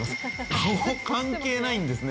顔、関係ないんですね。